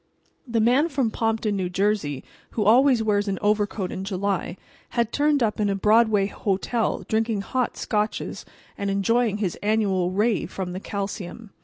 The man from Pompton, N.J., who always wears an overcoat in July, had turned up in a Broadway hotel drinking hot Scotches and enjoying his annual ray from the calcium.